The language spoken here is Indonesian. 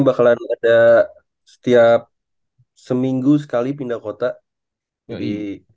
bakalan ada setiap seminggu sekali pindah kota